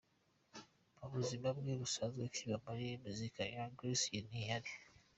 Mu buzima bwe busanzwe kuva yi muri muzika, Young Grace ntiyari.